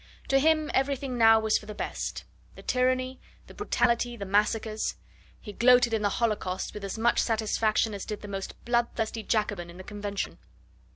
To him everything now was for the best: the tyranny, the brutality, the massacres. He gloated in the holocausts with as much satisfaction as did the most bloodthirsty Jacobin in the Convention.